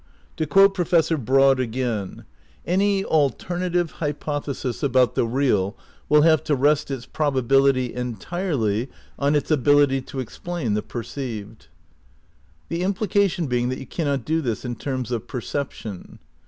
To quote Professor Broad again: "Any alternative hypothesis about the real will have to rest its probability entirely on its ability to explain the perceived." The implication being that you cannot do this in terms of perception.